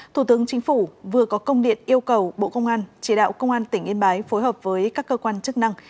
thủ tướng chính phủ vừa có công điện yêu cầu bộ công an chỉ đạo công an tỉnh yên bái phối hợp với các cơ quan chức năng